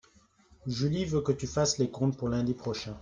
Julie veut que tu fasses les comptes pour lundi prochain.